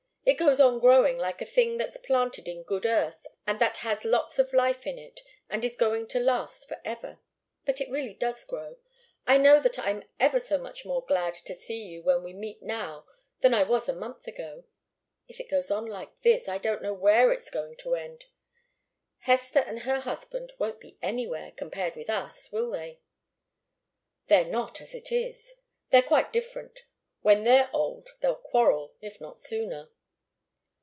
It goes on growing like a thing that's planted in good earth and that has lots of life in it and is going to last forever. But it really does grow. I know that I'm ever so much more glad to see you when we meet now than I was a month ago. If it goes on like this I don't know where it's going to end. Hester and her husband won't be anywhere, compared with us, will they?" "They're not, as it is. They're quite different. When they're old, they'll quarrel if not sooner."